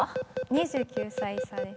２９歳差です